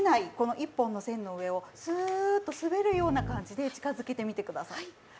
１本の線の上をスーッと滑るような感じで近づけてみてください。